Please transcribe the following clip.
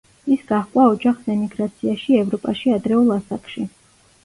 ის გაჰყვა ოჯახს ემიგრაციაში ევროპაში ადრეულ ასაკში.